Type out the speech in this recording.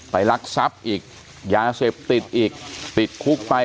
รักทรัพย์อีกยาเสพติดอีกติดคุกไป